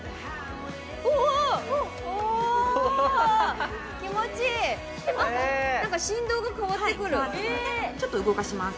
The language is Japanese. おおっあっなんか振動が変わってくるちょっと動かします